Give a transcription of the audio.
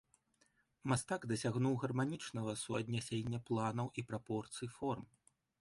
Мастак дасягнуў гарманічнага суаднясення планаў і прапорцый форм.